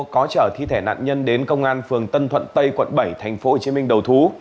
có chở thi thể nạn nhân đến công an phường tân thuận tây quận bảy tp hcm đầu thú